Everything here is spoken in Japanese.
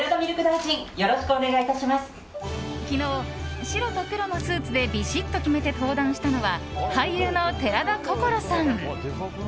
昨日、白と黒のスーツでびしっと決めて登壇したのは俳優の寺田心さん。